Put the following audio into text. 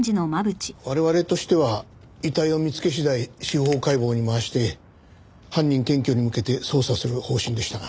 我々としては遺体を見つけ次第司法解剖に回して犯人検挙に向けて捜査する方針でしたが。